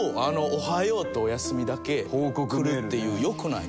「おはよう」と「おやすみ」だけ来るっていう良くない？